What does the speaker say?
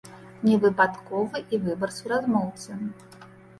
Не выпадковы і выбар суразмоўцы.